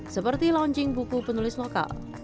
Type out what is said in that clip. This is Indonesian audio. seperti launching buku penulis lokal